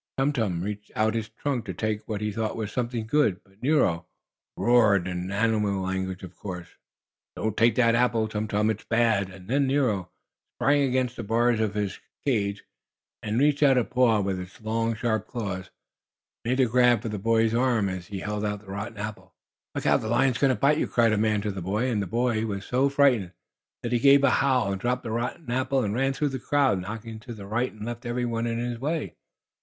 Tum Tum reached out his trunk to take what he thought was something good, but Nero roared, in animal language, of course: "Don't take that apple, Tum Tum! It's bad!" And then Nero sprang against the bars of his cage, and, reaching out a paw, with its long, sharp claws, made a grab for the boy's arm as he held out the rotten apple. "Look out! The lion's going to bite you!" cried a man to the boy, and the boy was so frightened that he gave a howl and dropped the rotten apple and ran through the crowd, knocking to the right and left every one in his way.